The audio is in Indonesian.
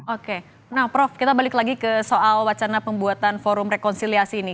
oke nah prof kita balik lagi ke soal wacana pembuatan forum rekonsiliasi ini